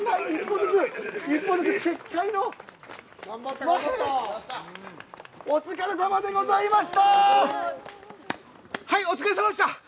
お疲れさまでございました。